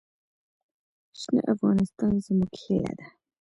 شنه افغانستان زموږ هیله ده.